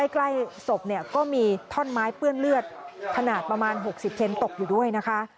ใกล้ศพเนี่ยก็มีท่อนไม้เปื้อนเลือดขนาดประมาณ๖๐เทนตกอยู่ด้วยนะคะ